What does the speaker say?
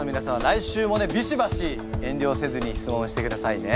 来週もねビシバシ遠慮をせずに質問をしてくださいね。